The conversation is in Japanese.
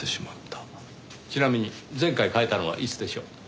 ちなみに前回変えたのはいつでしょう？